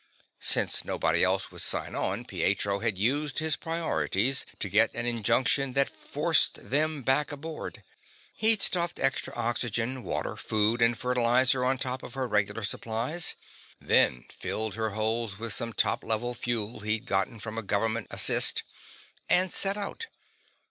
Since nobody else would sign on, Pietro had used his priorities to get an injunction that forced them back aboard. He'd stuffed extra oxygen, water, food and fertilizer on top of her regular supplies, then, filled her holds with some top level fuel he'd gotten from a government assist, and set out.